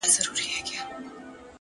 مثبت فکر مثبت ژوند جوړوي!